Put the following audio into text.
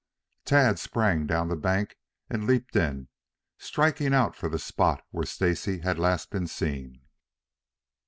Tad sprang down the bank and leaped in, striking out for the spot where Stacy had last been seen.